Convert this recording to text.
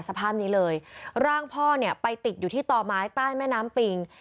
สภาพนี้เลยร่างพ่อเนี่ยไปติดอยู่ที่ต่อไม้ใต้แม่น้ำปิง